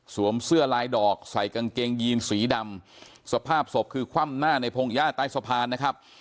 เสื้อลายดอกใส่กางเกงยีนสีดำสภาพศพคือคว่ำหน้าในพงหญ้าใต้สะพานนะครับ